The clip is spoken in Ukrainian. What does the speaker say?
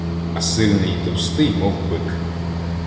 А сильний і товстий, мов бик.